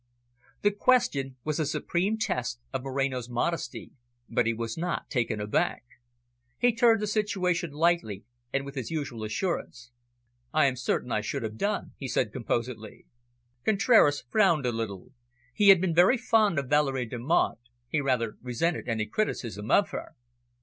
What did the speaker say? The question was a supreme test of Moreno's modesty, but he was not taken aback. He turned the situation lightly, and with his usual assurance. "I am certain I should have done," he said composedly. Contraras frowned a little. He had been very fond of Valerie Delmonte; he rather resented any criticism of her.